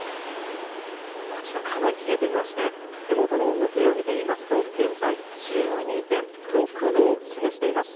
こちらかなり冷えていまして手元の温度計を見てみますと現在１２．６度を示しています。